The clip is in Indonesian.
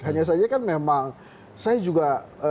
hanya saja kan memang saya juga